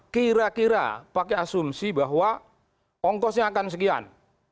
kira kira pakai asumsi bahwa ongkosnya akan sekian